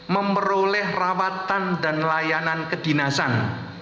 memperoleh rawatan dan layanan kedinasan